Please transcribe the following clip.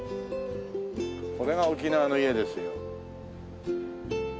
これが沖縄の家ですよ。